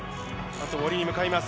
あと降りに向かいます。